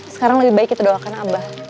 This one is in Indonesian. sekarang lebih baik kita doakan abah